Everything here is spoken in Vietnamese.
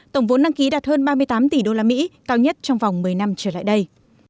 tổng vốn năng ký đạt hơn ba mươi tám tỷ đô la mỹ cao nhất trong vòng một mươi năm trở lại đây